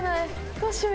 どうしよう。